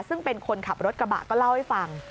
ซึ่งเป็นคนขับรถกระบะก็เล่าให้ฟัง